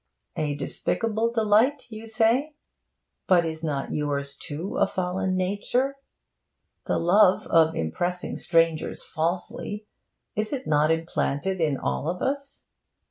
A despicable delight, you say? But is not yours, too, a fallen nature? The love of impressing strangers falsely, is it not implanted in all of us?